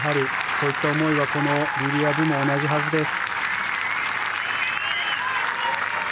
そういった思いはこのリリア・ブも同じはずです。